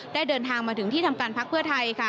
เดินทางมาถึงที่ทำการพักเพื่อไทยค่ะ